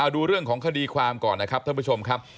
ดูเรื่องของคดีความก่อนนะครับท่านผู้ชมครับ